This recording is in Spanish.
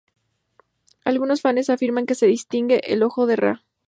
Algunos fanes afirman que se distingue el ojo de Ra.